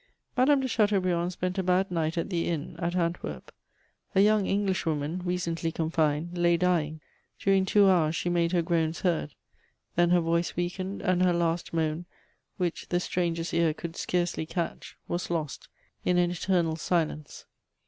Madame de Chateaubriand spent a bad night at the inn at Antwerp: a young Englishwoman, recently confined, lay dying; during two hours she made her groans heard; then her voice weakened, and her last moan, which the stranger's ear could scarcely catch, was lost in an eternal silence.